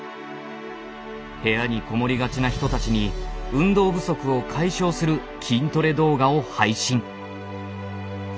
部屋に籠もりがちな人たちに運動不足を解消する筋トレ動画を配信。